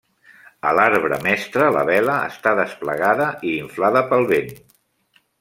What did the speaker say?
A l’arbre mestre la vela està desplegada i inflada pel vent.